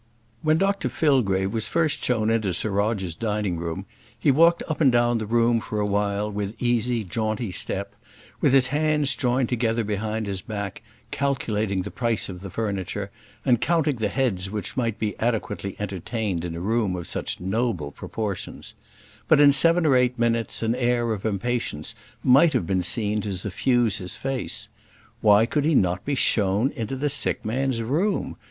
When Dr Fillgrave was first shown into Sir Roger's dining room, he walked up and down the room for a while with easy, jaunty step, with his hands joined together behind his back, calculating the price of the furniture, and counting the heads which might be adequately entertained in a room of such noble proportions; but in seven or eight minutes an air of impatience might have been seen to suffuse his face. Why could he not be shown into the sick man's room?